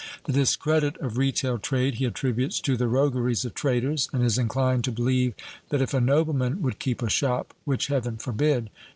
The discredit of retail trade he attributes to the rogueries of traders, and is inclined to believe that if a nobleman would keep a shop, which heaven forbid!